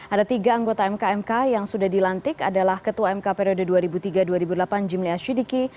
ada tiga anggota mk mk yang sudah dilantik adalah ketua mk periode dua ribu tiga dua ribu delapan jimli asyidiki